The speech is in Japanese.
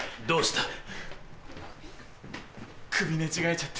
どうした？